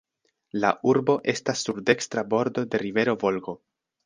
La urbo estas sur dekstra bordo de rivero Volgo.